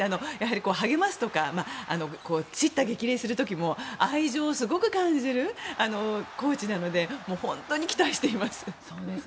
励ますとか叱咤激励する時も愛情をすごく感じるコーチなので本当に期待しています。